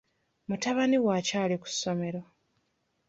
Mutabani we akyali ku ssomero.